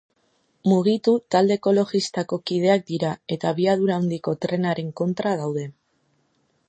Mugitu talde ekologistako kideak dira eta abiadura handiko trenaren kontra daude.